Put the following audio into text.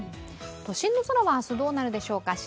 都心の空は明日どうなるのでしょうか。